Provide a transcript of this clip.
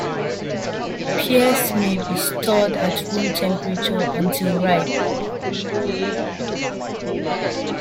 Pears may be stored at room temperature until ripe.